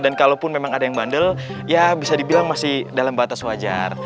dan kalaupun memang ada yang bandel ya bisa dibilang masih dalam batas wajar